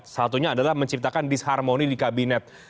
satunya adalah menciptakan disharmoni di kabinet